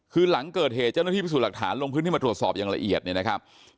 คือหลังเกิดเหตุเจ้าหน้าที่พิสูจน์หลักฐานลงพื้นที่มาตรวจสอบอย่างละเอียดเนี่ยนะครับ